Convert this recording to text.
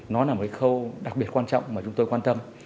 nó là một cái khâu đặc biệt quan trọng mà chúng tôi quan tâm